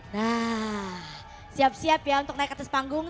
nah siap siap ya untuk naik ke atas panggung